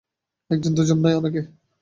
একজন দুজন নয়, অনেকে!